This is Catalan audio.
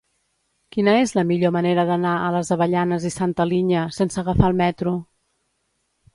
Quina és la millor manera d'anar a les Avellanes i Santa Linya sense agafar el metro?